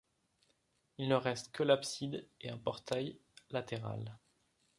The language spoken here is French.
Il ne reste que l'abside et un portail latéral.